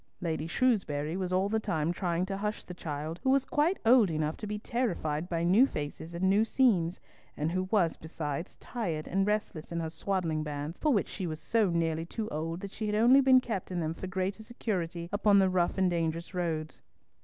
Lady Shrewsbury was all the time trying to hush the child, who was quite old enough to be terrified by new faces and new scenes, and who was besides tired and restless in her swaddling bands, for which she was so nearly too old that she had only been kept in them for greater security upon the rough and dangerous roads.